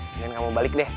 mungkin kamu balik deh